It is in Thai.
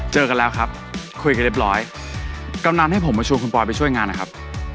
เจอกันแล้วครับคุยกันเรียบร้อยกำนันให้ผมมาชวนคุณปอยไปช่วยงานนะครับ